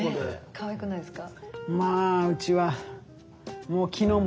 かわいくないですか？